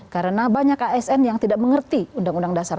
karena banyak asn yang tidak mengerti undang undang dasar empat puluh lima